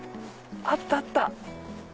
あったあった！